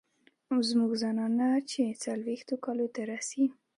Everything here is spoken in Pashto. زمونږ زنانه چې څلوېښتو کالو ته رسي